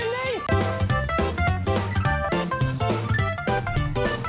มันเป็นแบบนี้